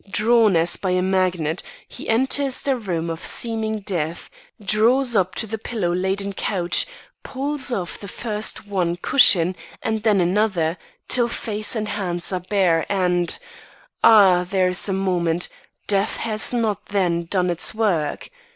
Drawn as by a magnet, he enters the room of seeming death, draws up to the pillow laden couch, pulls off first one cushion, and then another, till face and hands are bare and "Ah! there is a movement! death has not, then, done its work.